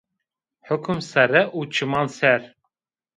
Hukm sere û çiman ser.